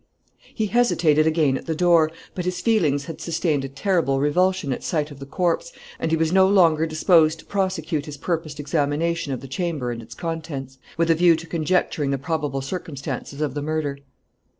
He hesitated again at the door, but his feelings had sustained a terrible revulsion at sight of the corpse, and he was no longer disposed to prosecute his purposed examination of the chamber and its contents; with a view to conjecturing the probable circumstances of the murder.